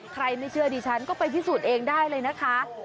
ไม่เชื่อดิฉันก็ไปพิสูจน์เองได้เลยนะคะ